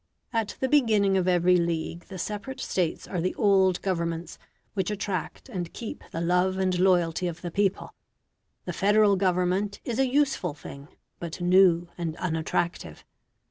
At the beginning of every league the separate States are the old Governments which attract and keep the love and loyalty of the people; the Federal Government is a useful thing, but new and unattractive.